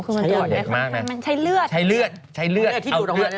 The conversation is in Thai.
ใช้เลือดเห็นไหมใช้เลือดใช้เลือดใช้เลือดใช้เลือดเอาเลือด